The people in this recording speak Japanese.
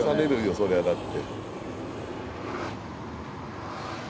そりゃだって。